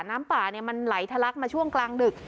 น้ำป่ามันไหลทะลักมาช่วงกลางดึก